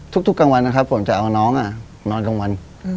ทุกวันนะครับผมจะเอาน้องนอนกลางวัน